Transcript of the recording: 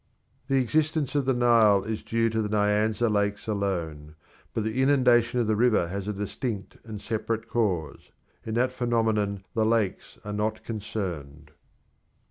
The existence of the Nile is due to the Nyanza Lakes alone, but the inundation of the river has a distinct and separate cause. In that phenomenon the lakes are not concerned.